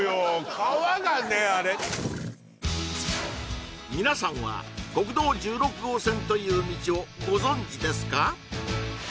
皮がねあれ皆さんは国道１６号線という道をご存じですか？